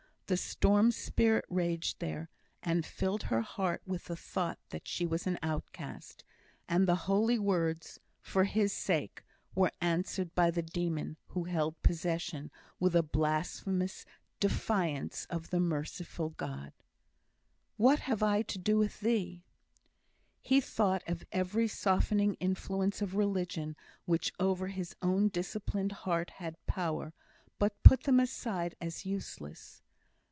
The storm spirit raged there, and filled her heart with the thought that she was an outcast; and the holy words, "for His sake," were answered by the demon, who held possession, with a blasphemous defiance of the merciful God: "What have I to do with Thee?" He thought of every softening influence of religion which over his own disciplined heart had power, but put them aside as useless.